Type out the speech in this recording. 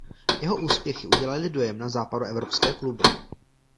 Jeho úspěchy udělaly dojem na západoevropské kluby.